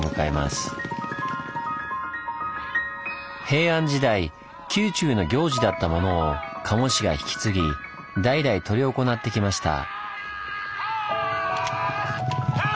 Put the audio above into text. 平安時代宮中の行事だったものを賀茂氏が引き継ぎ代々執り行ってきました。